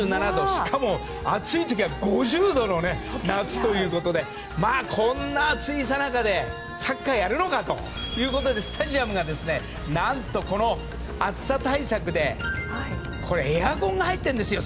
しかも暑い時には５０度の夏ということでこんな暑いさなかでサッカーをやるのかということでスタジアムが何と暑さ対策でエアコンが入っているんですよ。